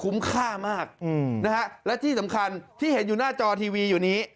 ค่ามากนะฮะและที่สำคัญที่เห็นอยู่หน้าจอทีวีอยู่นี้